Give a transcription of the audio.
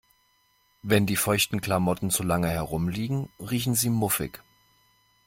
Wenn die feuchten Klamotten zu lange herumliegen, riechen sie muffig.